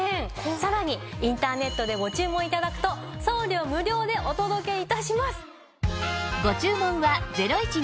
さらにインターネットでご注文頂くと送料無料でお届け致します！